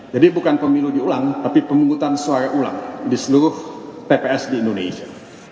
jadi bukan pemilu di ulang tapi pemungutan suara ulang di seluruh tps di indonesia